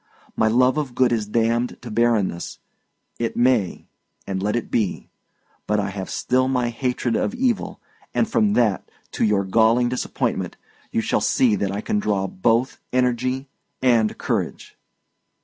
My love of good is damned to barrenness; it may, and let it be! But I have still my hatred of evil; and from that, to your galling disappointment, you shall see that I can draw both energy and courage."